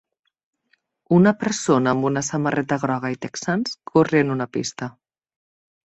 Una persona amb una samarreta groga i texans corre en una pista.